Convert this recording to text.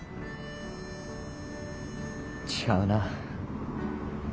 違うな。